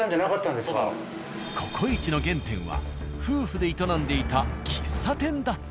「ココイチ」の原点は夫婦で営んでいた喫茶店だった。